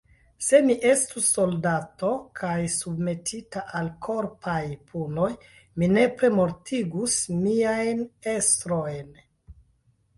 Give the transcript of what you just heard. Se mi estus soldato kaj submetita al korpaj punoj, mi nepre mortigus miajn estrojn.